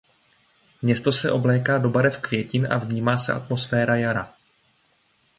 Město se obléká do barev květin a vnímá se atmosféra jara.